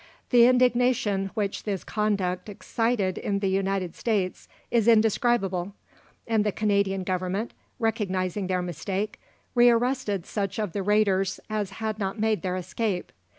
The indignation which this conduct excited in the United States is indescribable, and the Canadian Government, recognising their mistake, re arrested such of the raiders as had not made their escape.